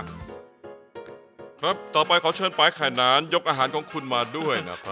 ครับต่อไปขอเชิญปลายไข่นานยกอาหารของคุณมาด้วยนะครับ